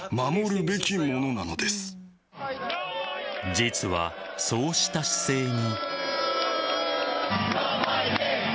実は、そうした姿勢に。